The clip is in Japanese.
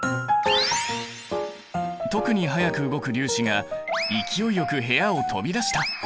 特に速く動く粒子が勢いよく部屋を飛び出した！